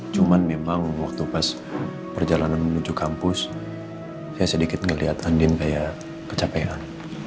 cuman memang waktu pas perjalanan menuju kampus saya sedikit ngelihat andien kayak kecapekan